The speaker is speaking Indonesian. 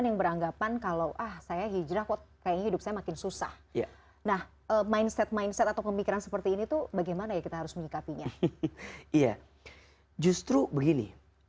jangan kemana mana kami akan kembali sesaat lagi